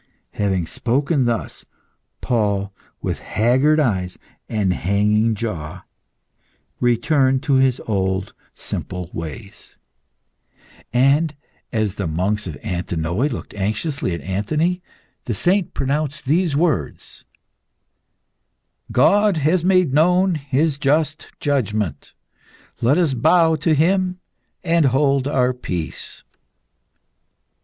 Having spoken thus, Paul, with haggard eyes and hanging jaw, returned to his old simple ways. And, as the monks of Antinoe looked anxiously at Anthony, the saint pronounced these words "God has made known His just judgment. Let us bow to Him and hold our peace."